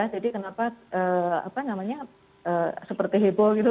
jadi kenapa seperti heboh gitu